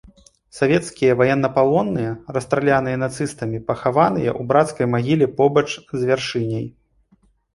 Савецкія ваеннапалонныя, расстраляныя нацыстамі пахаваныя ў брацкай магіле побач з вяршыняй.